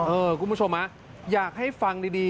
เออคุณผู้ชมฮะอย่าให้ฟังดี